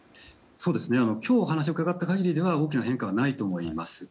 今日お話を伺った限りでは大きな変化はないと思います。